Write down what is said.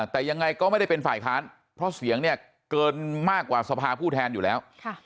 แต่ยังไงก็ไม่ได้เป็นฝ่ายค้านเพราะเสียงเนี่ยเกินมากกว่าสภาผู้แทนอยู่แล้ว